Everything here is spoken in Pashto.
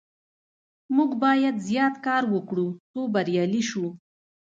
موږ باید زیات کار وکړو څو بریالي شو.